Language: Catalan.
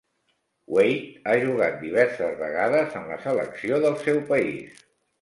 Weight ha jugat diverses vegades en la selecció del seu país.